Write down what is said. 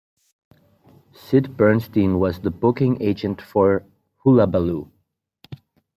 Sid Bernstein was the booking agent for Hullabaloo.